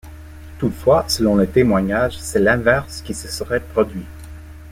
Toutefois, selon des témoignages, c'est l'inverse qui se serait produit.